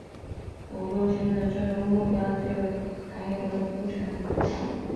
五路军队的最终目标皆为南越国的都城番禺。